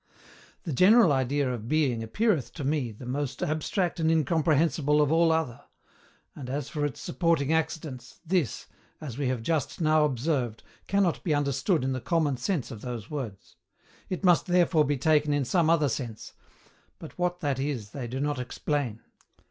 The general idea of Being appeareth to me the most abstract and incomprehensible of all other; and as for its supporting accidents, this, as we have just now observed, cannot be understood in the common sense of those words; it must therefore be taken in some other sense, but what that is they do not explain.